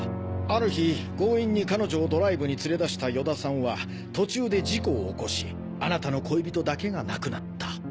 ある日強引に彼女をドライブに連れ出した与田さんは途中で事故を起こしあなたの恋人だけが亡くなった。